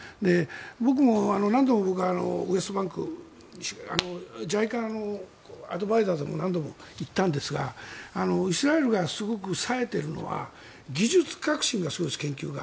僕も何度も、ウエストバンクＪＩＣＡのアドバイザーで何度も行ったんですがイスラエルがすごくさえているのは技術革新がすごいです、研究が。